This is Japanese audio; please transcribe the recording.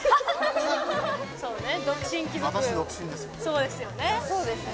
そうですよね。